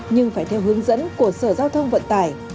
nhưng phải theo hướng dẫn của sở giao thông vận tải